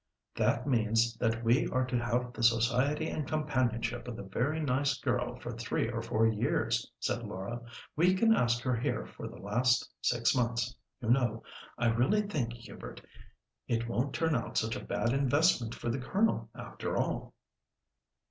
"That means that we are to have the society and companionship of the very nice girl for three or four years," said Laura; "we can ask her here for the last six months, you know, I really think, Hubert, it won't turn out such a bad investment for the Colonel after all."